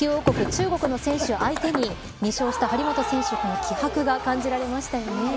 中国の選手を相手に２勝した張本選手気迫が感じられましたよね。